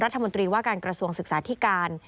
รัฐมนตรีว่าการกระทรวงศึกษาธิการ